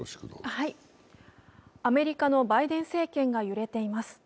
アメリカのバイデン政権が揺れています。